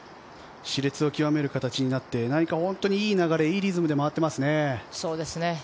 熾烈を極める形になって、いい流れ、リズムで回っていますね。